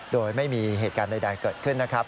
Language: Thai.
โดยไม่มีเหตุการณ์ใดเกิดขึ้นนะครับ